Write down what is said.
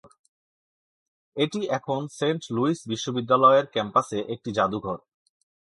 এটি এখন Saint Louis বিশ্ববিদ্যালয়ের ক্যাম্পাসে একটি জাদুঘর।